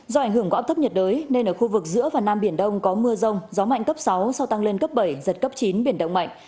do ảnh hưởng của áp thấp nhiệt đới nên ở khu vực giữa và nam biển đông có mưa rông gió mạnh cấp sáu sau tăng lên cấp bảy giật cấp chín biển động mạnh